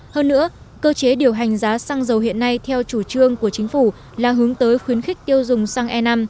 hơn nữa cơ chế điều hành giá xăng dầu hiện nay theo chủ trương của chính phủ là hướng tới khuyến khích tiêu dùng xăng e năm